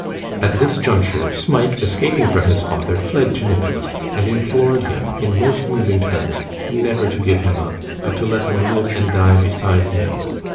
At this juncture, Smike escaping from his father fled to Nicholas, and implored him, in most moving terms, never to give him up, but to let him live and die beside him.